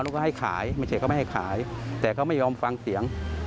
เขาไม่ยอมฟังเสียง